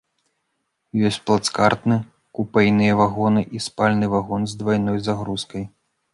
Ёсць плацкартны, купэйныя вагоны і спальны вагон з двайной загрузкай.